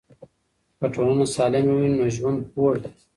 که ټولنه سالمه وي نو ژوند خوږ دی.